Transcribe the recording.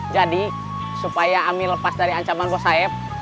jadi supaya ami lepas dari ancaman bos saeb